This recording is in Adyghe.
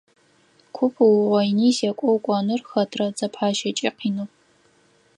Куп уугъоини зекӀо укӀоныр хэтрэ дзэпащэкӀи къиныгъ.